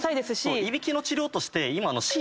いびきの治療として今。